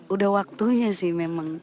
udah waktunya sih memang